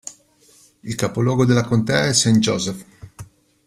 Il capoluogo della contea è St. Joseph.